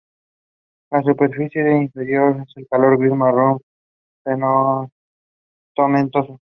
La superficie interior es de color gris marrón tomentoso.